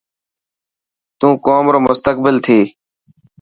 تون قوم رو مستقبل ٿيي.